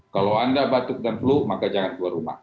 kalau anda batuk dan flu maka jangan keluar rumah